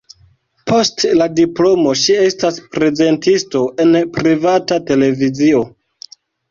Post la diplomo ŝi estas prezentisto en privata televizio.